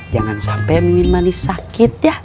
jangan sampe mimin manis sakit ya